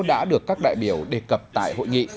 đã được các đại biểu đề cập tại hội nghị